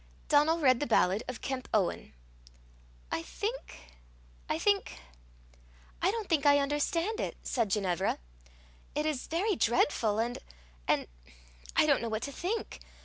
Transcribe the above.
Donal read the ballad of Kemp Owen. "I think I think I don't think I understand it," said Ginevra. "It is very dreadful, and and I don't know what to think.